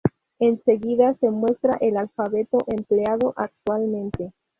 En seguida se muestra el alfabeto empleado actualmente.